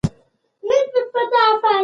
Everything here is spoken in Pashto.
کارمل په لیک کې ایران ته د دوستۍ ژمنه کړې.